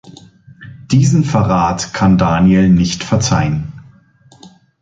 Diesen Verrat kann Daniel nicht verzeihen.